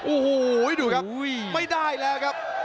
โอ้โหดูครับไม่ได้แล้วครับ